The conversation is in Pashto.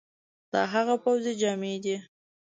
دا هغه پوځي جامي دي،